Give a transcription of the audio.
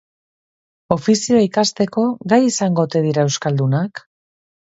Ofizioa ikasteko gai izango ote dira euskaldunak?